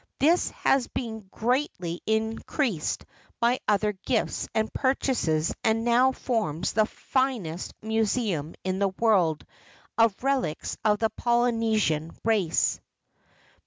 This has been greatly increased by other gifts and purchases and now forms the finest museum in the world, of relics of the Poly¬ nesian race.